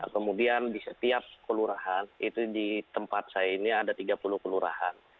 kemudian di setiap kelurahan itu di tempat saya ini ada tiga puluh kelurahan